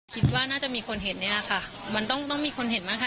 คิดว่าน่าจะมีคนเห็นนี่แหละค่ะมันต้องต้องมีคนเห็นบ้างค่ะ